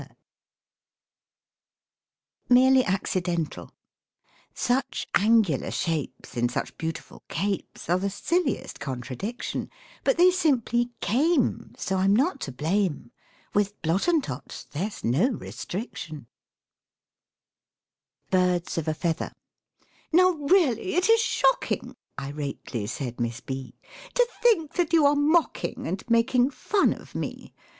MERELY ACCIDENTAL Such angular shapes In such beautiful capes Are the silliest contradiction, But they simply "came," So I'm not to blame; With Blottentots there's no restriction. BIRDS OF A FEATHER "Now really it is shocking!" irately said Miss B, "To think that you are mocking and making fun of me.